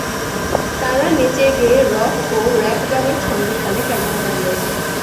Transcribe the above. তাঁরা নেচেগেয়ে রক ও র্যাপ গানের ছন্দের তালে ক্যামেরা নাড়িয়েছেন।